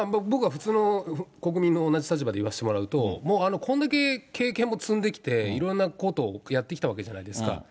僕は普通の国民の同じ立場で言わせてもらうと、もうこれだけ経験も積んできて、いろんなことをやってきたわけじゃないですか。